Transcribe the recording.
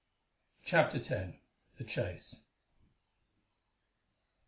CHAPTER X. THE CHASE.